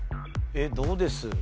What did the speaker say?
えっどうです？